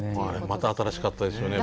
また新しかったですよね。